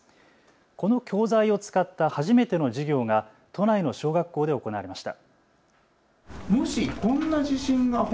この教材を使った初めての授業が都内の小学校で行われました。